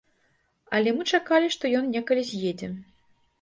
Але мы чакалі, што ён некалі з'едзе.